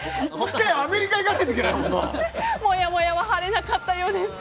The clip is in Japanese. もやもやは晴れなかったようです。